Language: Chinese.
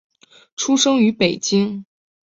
出生于北京。